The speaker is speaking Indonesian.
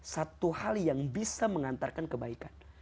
satu hal yang bisa mengantarkan kebaikan